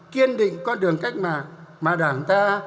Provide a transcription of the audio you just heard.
kiên định con đường cách mạng mà đảng ta